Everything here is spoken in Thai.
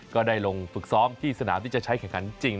ก็ได้ลงฝึกซ้อมที่สนามที่จะใช้แข่งขันจริง